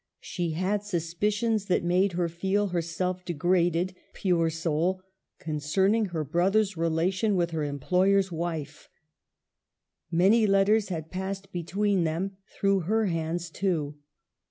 She had suspicions that made her feel herself degraded, pure soul, concerning her brother's relation with her employer's wife. Many letters had passed between them, through her hands too.